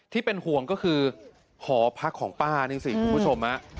ที่เป็นห่วงก็คือหอพักของป้านี่สิคุณผู้ชม